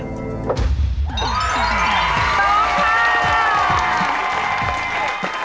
ตรงค่ะ